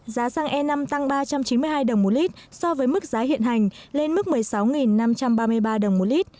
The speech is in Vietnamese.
giá xăng e năm tăng ba trăm chín mươi hai đồng một lít so với mức giá hiện hành lên mức một mươi sáu năm trăm ba mươi ba đồng một lít